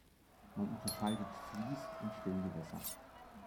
Man unterscheidet Fließ- und Stillgewässer.